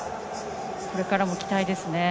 これからも期待ですね。